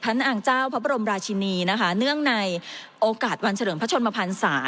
นางเจ้าพระบรมราชินีนะคะเนื่องในโอกาสวันเฉลิมพระชนมพันศา